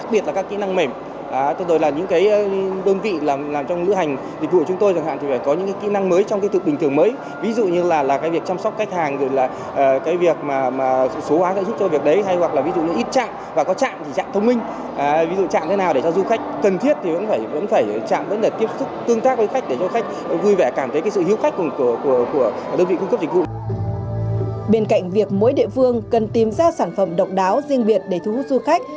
bên cạnh việc mỗi địa phương cần tìm ra sản phẩm độc đáo riêng biệt để thu hút du khách